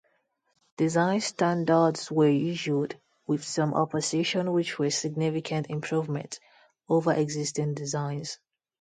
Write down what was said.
Design standards were issued, with some opposition, which were significant improvements over existing designs.